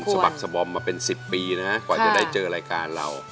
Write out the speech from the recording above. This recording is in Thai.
สมัครสบอมมาเป็น๑๐ปีนะฮะกว่าจะได้เจอรายการเรา